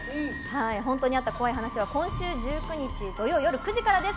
「ほんとにあった怖い話」は今週１９日、土曜夜９時からです。